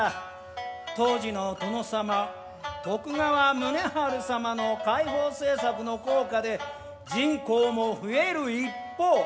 当時の殿様徳川宗春様の開放政策の効果で人口も増える一方。